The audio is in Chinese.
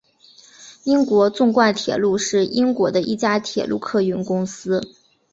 英国纵贯铁路是英国的一家铁路客运公司。